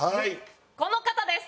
この方です。